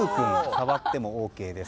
触ってもＯＫです。